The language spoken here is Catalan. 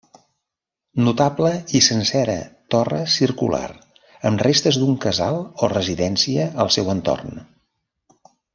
Notable i sencera torre circular, amb restes d'un casal o residència al seu entorn.